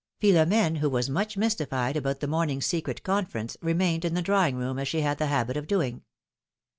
Philom^ne, who was much mystified about the morn ing's secret conference, remained in the drawing room as she had the habit of doing.